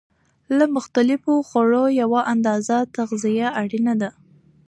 له مختلفو خوړو یوه اندازه تغذیه اړینه ده.